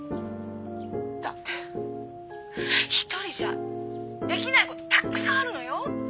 だって一人じゃできないことたくさんあるのよ。